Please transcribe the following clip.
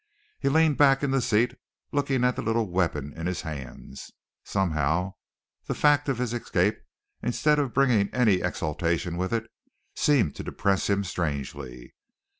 He leaned back in the seat, looking at the little weapon in his hands. Somehow, the fact of his escape, instead of bringing any exultation with it, seemed to depress him strangely.